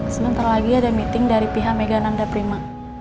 sebentar lagi ada meeting dari pihak megananda prima